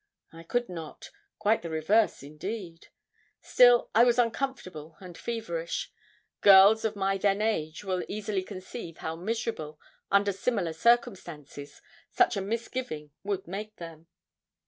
I could not quite the reverse, indeed. Still I was uncomfortable and feverish girls of my then age will easily conceive how miserable, under similar circumstances, such a misgiving would make them.